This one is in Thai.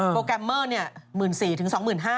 โปรแกรมเมอร์๑๔๐๐๐ถึง๒๕๐๐๐